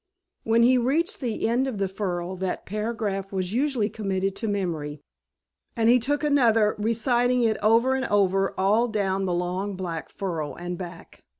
When he reached the end of the furrow that paragraph was usually committed to memory, and he took another, reciting it over and over all down the long black furrow and back.